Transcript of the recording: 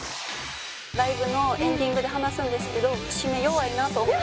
ライブのエンディングで話すんですけど締め弱いなと思って。